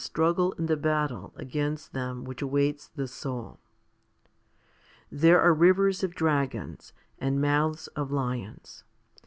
HOMILY XLIII 271 struggle and the battle against them which awaits the soul. There are rivers of dragons, 1 and mouths of lions.